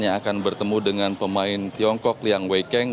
yang akan bertemu dengan pemain tiongkok liang weikeng